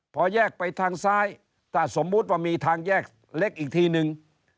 พอแยกไปทางซ้ายถ้าสมมุติว่ามีทางแยกเล็กอีกทีนึง